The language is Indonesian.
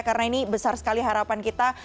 karena ini besar sekali harapan kita